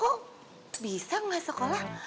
kok bisa gak sekolah